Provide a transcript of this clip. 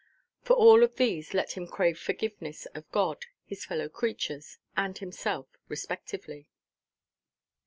For all of these let him crave forgiveness of God, his fellow–creatures, and himself, respectively.